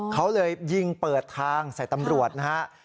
เขาเลยยิงเปิดทางใส่ตำรวจนะฮะ